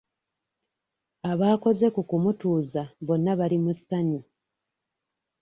Abaakoze ku kumutuuza bonna bali mu ssanyu.